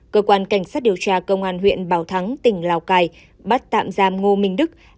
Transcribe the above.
cơ quan cảnh sát điều tra công an huyện bảo thắng tỉnh lào cai bắt tạm giam ngô minh đức